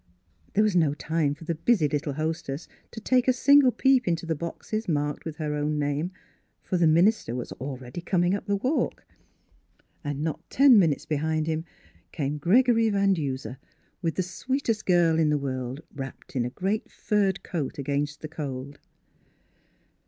There was no time for the busy little hostess to take a single peep into the boxes marked with her own name, for the minister was already coming up the walk. And not ten minutes behind him came Gregory Van Duser with the sweetest girl in the world, wrapped in a great furred coat against the cold.